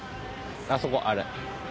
あそこあれ。